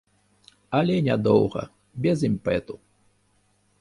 Але нядоўга, без імпэту.